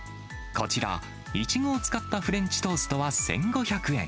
こちら、イチゴを使ったフレンチトーストは１５００円。